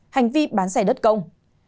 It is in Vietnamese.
hai hành vi bán rẻ đất cộng